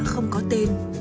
không có tên